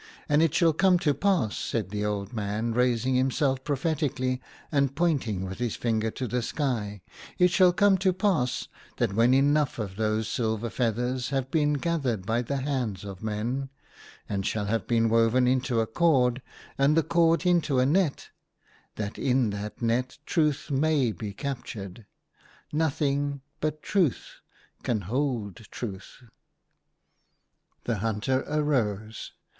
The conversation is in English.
And it shall come to pass," said the old man, raising himself prophetically and pointing with his finger to the sky, " it shall come to pass, that, when enouofh of those silver feathers shall have been gathered by the hands of men, and shall have been woven into a cord, and the cord into a net, that in that net Truth may be captured. Noth inz but Truth can hold Truth. The hunter arose.